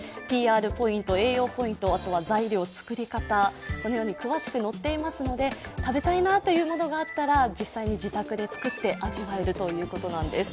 ＰＲポイント、栄養ポイント、材料、作り方、このように詳しく載っていますので食べたいなというものがあったら、実際に自宅で作って味わえるということなんです。